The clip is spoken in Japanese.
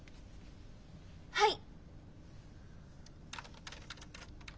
はい！